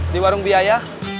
di warung biaya